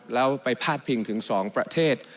และไปพาดพิห่งถึงสองประเทศ